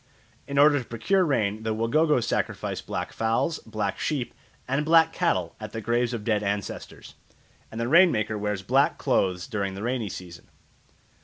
In order to procure rain the Wagogo sacrifice black fowls, black sheep, and black cattle at the graves of dead ancestors, and the rain maker wears black clothes during the rainy season.